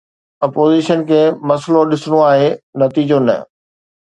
Opposition کي مسئلو ڏسڻو آهي، نتيجو نه.